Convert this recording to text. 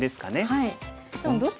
はい。